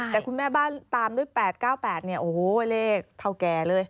แต่คุณแม่บ้านตามด้วย๘๙๘เนี่ยโอ้โหเลขเท่าแก่เลย